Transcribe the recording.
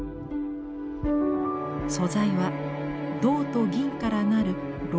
素材は銅と銀から成る朧銀。